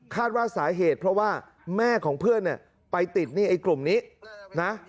ว่าสาเหตุเพราะว่าแม่ของเพื่อนเนี่ยไปติดหนี้ไอ้กลุ่มนี้นะ